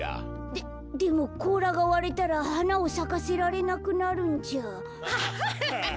ででもこうらがわれたらはなをさかせられなくなるんじゃ。